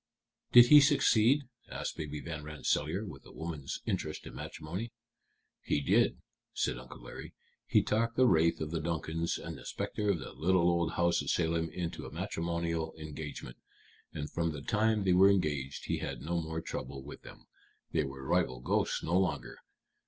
"Did he succeed?" asked Baby Van Rensselaer, with a woman's interest in matrimony. "He did," said Uncle Larry. "He talked the wraith of the Duncans and the specter of the little old house at Salem into a matrimonial engagement. And from the time they were engaged he had no more trouble with them. They were rival ghosts no longer.